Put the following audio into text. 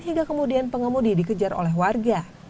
hingga kemudian pengemudi dikejar oleh warga